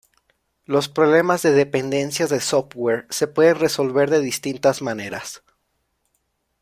Los problemas de dependencias de software se pueden resolver de distintas maneras.